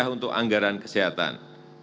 untuk anggaran kesehatan